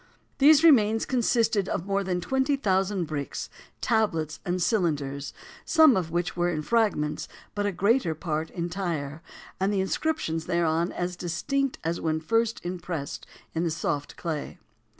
These remains consisted of more than twenty thousand bricks, tablets and cylinders, some of which were in fragments, but a greater part entire, and the inscriptions thereon as distinct as when first impressed in the soft clay.